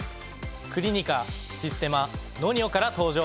クリニカシステマＮＯＮＩＯから登場！